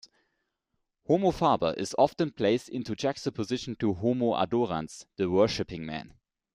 "Homo faber" is often placed in juxtaposition to "homo adorans", the worshiping man.